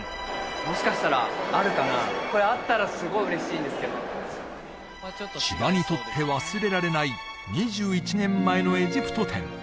もしかしたらあるかなあったらすごい嬉しいんですけど千葉にとって忘れられない２１年前のエジプト展